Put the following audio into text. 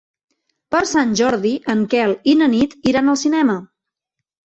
Per Sant Jordi en Quel i na Nit iran al cinema.